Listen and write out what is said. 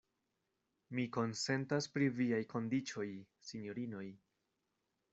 Mi konsentas pri viaj kondiĉoj, sinjorinoj.